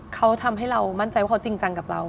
เขาทำให้เรามั่นใจว่าเขาจริงจังกับเรา